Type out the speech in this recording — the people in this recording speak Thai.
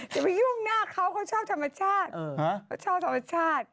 อย่าไปยุ่งหน้าเขาเขาชอบธรรมชาติเขาชอบธรรมชาติ